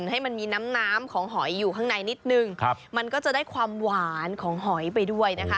ให้มันมีน้ำน้ำของหอยอยู่ข้างในนิดนึงมันก็จะได้ความหวานของหอยไปด้วยนะคะ